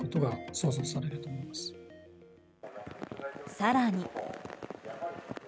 更に。